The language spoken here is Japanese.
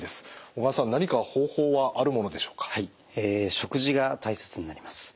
食事が大切になります。